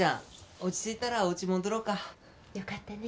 落ち着いたらおウチ戻ろうか。よかったね？